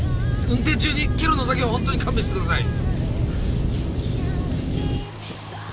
運転中に蹴るのだけは本当に勘弁してください。